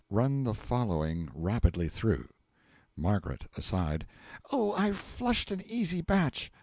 (Run the following rapidly through.) M. (Aside.) Oh, I've flushed an easy batch!